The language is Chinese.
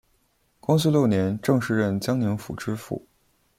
光绪六年正式任江宁府知府。